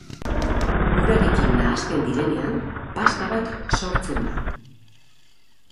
Urarekin nahasten direnean pasta bat sortzen da.